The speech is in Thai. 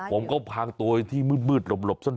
แบบว่าข้องพรางตัวที่มืดลบซ่อน